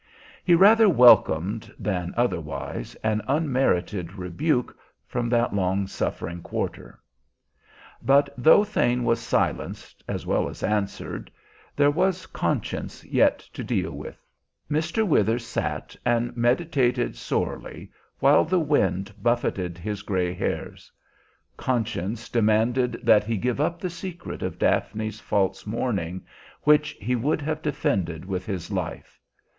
He rather welcomed than otherwise an unmerited rebuke from that long suffering quarter. But though Thane was silenced as well as answered, there was conscience yet to deal with. Mr. Withers sat and meditated sorely, while the wind buffeted his gray hairs. Conscience demanded that he give up the secret of Daphne's false mourning, which he would have defended with his life.